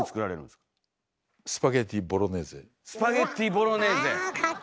スパゲッティボロネーゼ！